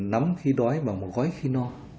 nắm khi đói và một gói khi no